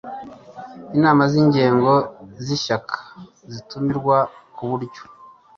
inama z inzego z ishyaka zitumirwa ku buryo